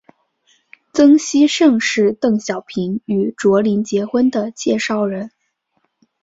曾希圣是邓小平与卓琳结婚的介绍人。